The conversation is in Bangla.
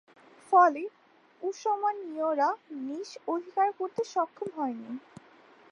ফলে উসমানীয়রা নিস অধিকার করতে সক্ষম হয়নি।